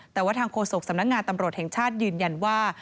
แต่ว่าทางโฆษกสำนักงานตำรวจแห่งชาติยืนยันว่า